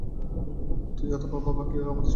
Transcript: তুই, অথবা বাবা কেউই আমাদের সুখ দিতে পারিসনি।